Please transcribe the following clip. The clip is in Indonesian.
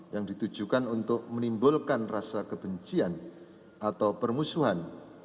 yang ditujukan untuk menimbulkan rasa kebencian atau permusuhan